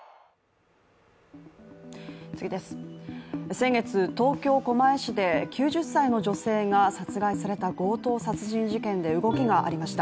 先月、東京・狛江市で９０歳の女性が殺害された強盗殺人事件で動きがありました。